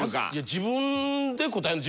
自分で答えるの？